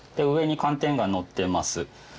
上に寒天がのってます。